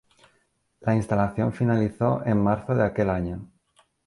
La instalación finalizó en marzo de aquel año.